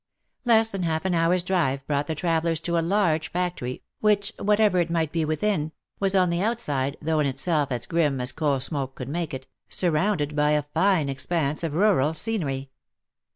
Less than half an hour's drive brought the travellers to a large factory, which, whatever it might be within, was on the outside, though in itself as grim as coal smoke could make it, surrounded by a fine expanse of rural scenery.